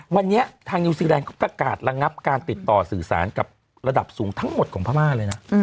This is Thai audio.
วันนี้ทางนิวซีแลนดเขาประกาศระงับการติดต่อสื่อสารกับระดับสูงทั้งหมดของพม่าเลยนะ